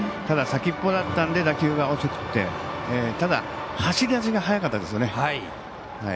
先っぽだったので打球が遅くてただ、走り出しが速かったですよね。